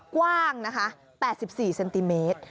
กว้าง๘๔เซนติเมตร